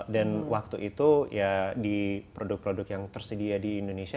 dan waktu itu ya di produk produk yang tersedia di indonesia